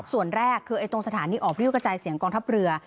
ส่วนแรกคือตรงสถานีออกริ้วกระจายเสียงกองทัพเรือ